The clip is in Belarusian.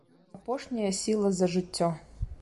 Апошняя сіла за жыццё.